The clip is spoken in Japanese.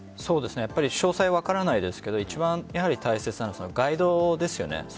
詳細が分からないですが一番大切なのはガイドですよね。